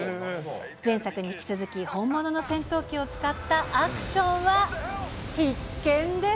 前作に引き続き、本物の戦闘機を使ったアクションは必見です。